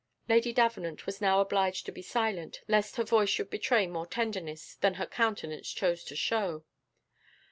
Lady Davenant was now obliged to be silent, lest her voice should betray more tenderness than her countenance chose to show.